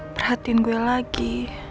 perhatiin gue lagi